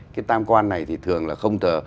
cái tam quan này thì thường là không thờ